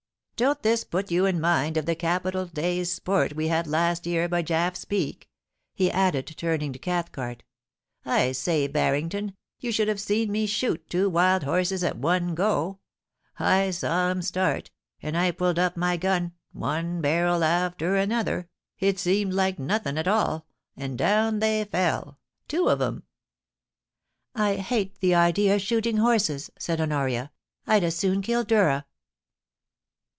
•* Don't this put you in mind of the capital day's sport we had last year by JafTs Peak ?* he added, turning to Cathcart * I say, Barrington, you should have seen me shoot two wild horses at one go ! I saw 'em start, and I pulled up my gun — one barrel after another — it seemed like nothin' at all — and down they fell — two of 'em !'* I hate the idea of shooting horses,' said Honoria. * I'd as soon kill Durra.'